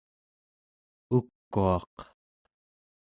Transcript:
ukuaq